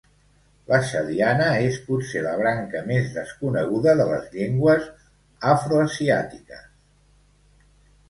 La txadiana és, potser, la branca més desconeguda de les llengües afroasiàtiques.